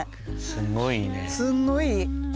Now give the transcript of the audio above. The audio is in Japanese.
すごいいい。